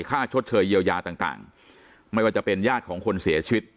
ชดเชยเยียวยาต่างไม่ว่าจะเป็นญาติของคนเสียชีวิต